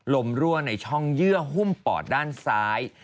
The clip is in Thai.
รั่วในช่องเยื่อหุ้มปอดด้านซ้าย